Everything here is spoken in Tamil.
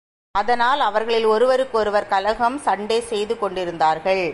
அதனால் அவர்களில் ஒருவருக்கொருவர் கலகம், சண்டை செய்து கொண்டிருந்தார்கள்.